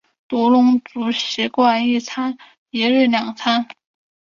独龙族习惯一日两餐。